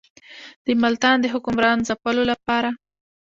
د ملتان د حکمران ځپلو لپاره.